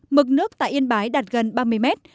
mực nước tại yên bái đạt gần ba mươi mét